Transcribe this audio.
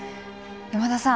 山田さん